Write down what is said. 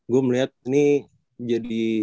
gue melihat ini jadi